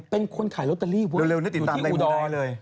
เป็นคนขายลอตเตอรี่อยู่ที่อุดรเลย